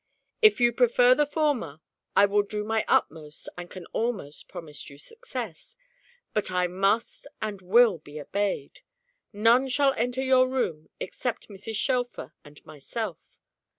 If you prefer the former, I will do my utmost, and can almost promise you success; but I must and will be obeyed. None shall enter your room, except Mrs. Shelfer and myself.